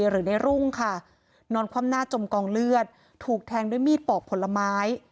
หรือในรุ่งค่ะนอนคว่ำหน้าจมกองเลือดถูกแทงด้วยมีดปอกผลไม้